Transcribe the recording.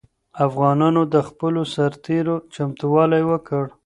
افغانانو د خپلو سرتېرو چمتووالی وکړ.